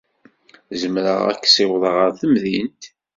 Zemreɣ ad k-ssiwḍeɣ ɣer temdint.